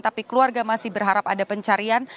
tapi keluarga masih berharap ada pencarian